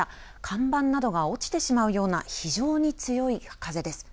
看板などが落ちてしまうような非常に強い風です。